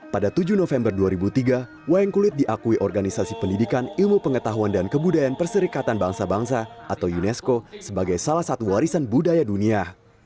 pada tujuh november dua ribu tiga wayang kulit diakui organisasi pendidikan ilmu pengetahuan dan kebudayaan perserikatan bangsa bangsa atau unesco sebagai salah satu warisan budaya dunia